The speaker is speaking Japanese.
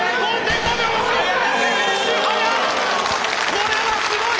これはすごい！